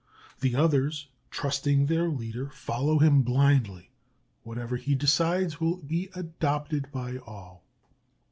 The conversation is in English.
The others, trusting their leader, follow him blindly. Whatever he decides will be adopted by all.